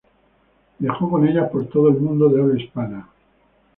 Viajó con ella por todo el mundo de habla hispana.